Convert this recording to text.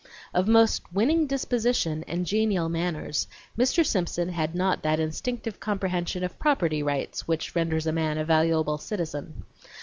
Of most winning disposition and genial manners, Mr. Simpson had not that instinctive comprehension of property rights which renders a man a valuable citizen.